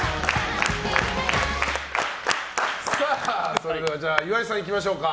それでは岩井さんいきましょうか。